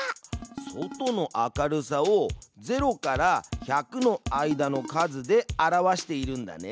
外の明るさを０から１００の間の数で表しているんだね。